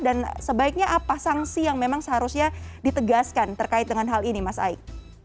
dan sebaiknya apa sanksi yang memang seharusnya ditegaskan terkait dengan hal ini mas aik